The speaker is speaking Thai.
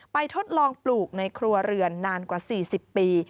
ทดลองปลูกในครัวเรือนนานกว่า๔๐ปี